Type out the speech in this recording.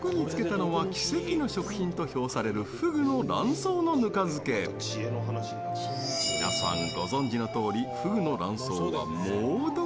みなさんご存じのとおりふぐの卵巣は猛毒。